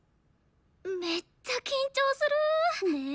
めっちゃ緊張する。ね。